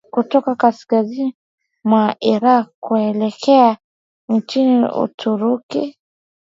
kutoka kaskazini mwa iraq kuelekea nchi uturuki